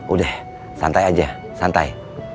udah santai aja santai